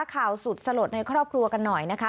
สุดสลดในครอบครัวกันหน่อยนะคะ